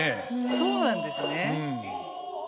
そうなんですね。